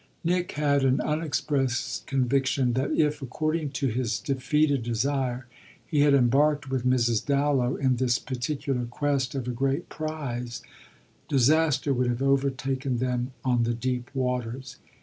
Nick had an unexpressed conviction that if, according to his defeated desire, he had embarked with Mrs. Dallow in this particular quest of a great prize, disaster would have overtaken them on the deep waters.